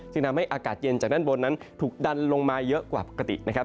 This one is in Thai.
ซึ่งทำให้อากาศเย็นจากด้านบนนั้นถูกดันลงมาเยอะกว่าปกตินะครับ